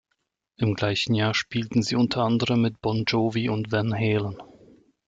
Im gleichen Jahr spielten sie unter anderem mit Bon Jovi und Van Halen.